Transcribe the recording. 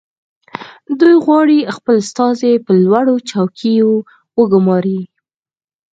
دوی غواړي خپل استازي په لوړو چوکیو وګماري